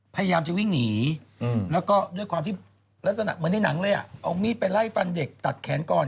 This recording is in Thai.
พยายามจะวิ่งหนีแล้วก็ด้วยความที่ลักษณะเหมือนในหนังเลยอ่ะเอามีดไปไล่ฟันเด็กตัดแขนก่อน